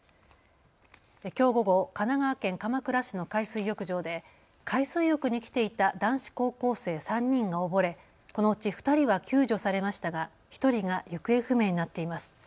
きょう午後、神奈川県鎌倉市の海水浴場で海水浴に来ていた男子高校生３人が溺れ、このうち２人は救助されましたが１人が行方不明になっています。